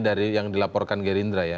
dari yang dilaporkan gerindra ya